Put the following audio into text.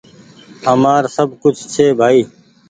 همآر سب ڪڇه ڇي ڀآئي